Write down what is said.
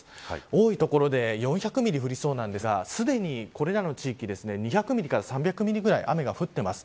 多い所で４００ミリ降りそうなんですがすでに、これらの地域２００ミリから３００ミリぐらい雨が降っています。